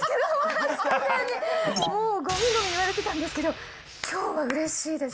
もうごみごみ言われてたんですけれども、きょうはうれしいです。